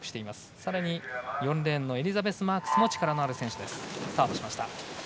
さらに、４レーンのエリザベス・マークスも力のある選手です。